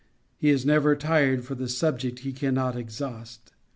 He is never tired, for the subject he cannot exhaust.